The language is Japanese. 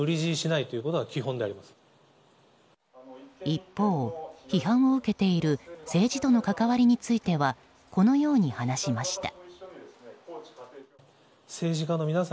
一方、批判を受けている政治との関わりについてはこのように話しました。